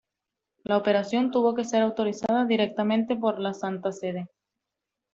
La operación tuvo que ser autorizada directamente por la Santa Sede.